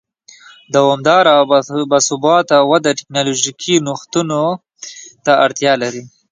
دوامداره او با ثباته وده ټکنالوژیکي نوښتونو ته اړتیا لري.